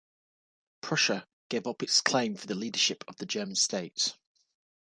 Prussia gave up its claim for the leadership of the German states.